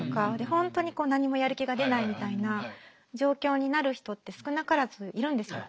本当に何もやる気が出ないみたいな状況になる人って少なからずいるんですよ。